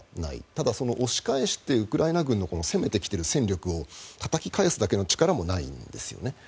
ただ、押し返してウクライナ軍の攻めてきている兵力をたたき返すだけの力もないんですね。